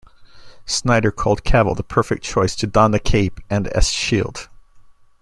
Snyder called Cavill the perfect choice to don the cape and S shield.